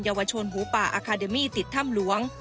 วชนหมูป่าอาคาเดมี่ติดถ้ำหลวง